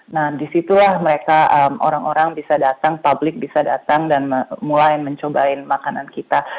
nah disitulah mereka orang orang bisa datang publik bisa datang dan mulai mencobain makanan kita